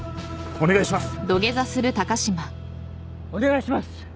お願いします！